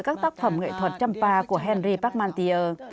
các tác phẩm nghệ thuật trăm pa của henry pacmentier